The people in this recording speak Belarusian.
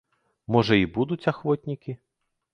Можа, і будуць ахвотнікі?